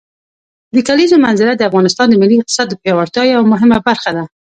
د کلیزو منظره د افغانستان د ملي اقتصاد د پیاوړتیا یوه مهمه برخه ده.